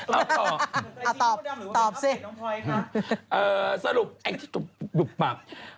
เอาตอบตอบสิเออสรุปดุบบับ